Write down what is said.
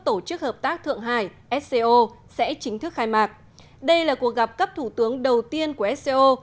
tổ chức hợp tác thượng hải sco sẽ chính thức khai mạc đây là cuộc gặp cấp thủ tướng đầu tiên của sco